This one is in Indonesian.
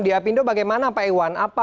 di apindo bagaimana pak iwan